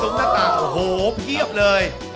โห้ยนี่เป็นรูปพระสมเต็ป